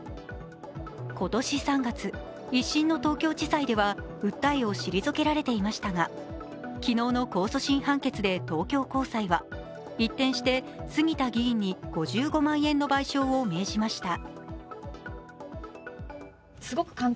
今年３月、一審の東京地裁では訴えを退けられていましたが昨日の控訴審判決で東京高裁は、一転して杉田議員に５５万円の賠償を命じました。